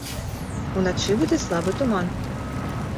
Уначы будзе слабы туман.